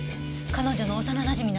彼女の幼なじみなの。